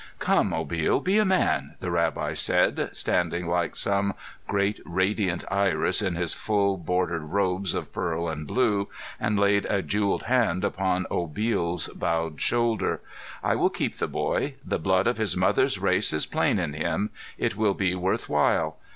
"Come, Obil, be a man!" the rabbi said, standing like some great radiant iris in his full bordered robes of pearl and blue, and laid a jeweled hand upon Obil's bowed shoulder. "I will keep the boy. The blood of his mother's race is plain in him. It will be worth while.